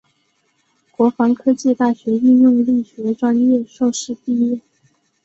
国防科技大学应用力学专业硕士毕业。